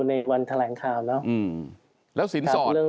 ในวันแถลงข่าวเนาะ